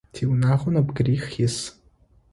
Тиунагъо нэбгырих ис.